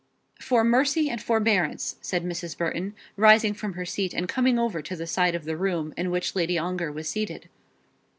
"For mercy and forbearance," said Mrs. Burton, rising from her seat and coming over to the side of the room in which Lady Ongar was seated.